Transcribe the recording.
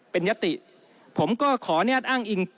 เป็นยติผมก็ขออนุญาตอ้างอิง